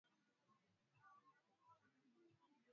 ukumbana na ukosoaji mkubwa kutoka kwa mataifa mbalimbali